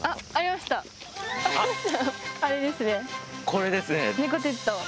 これですね！